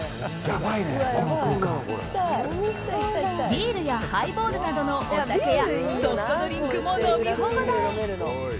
ビールやハイボールなどのお酒やソフトドリンクも飲み放題。